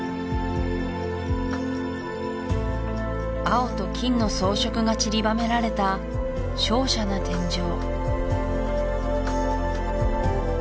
青と金の装飾がちりばめられたしょうしゃな天井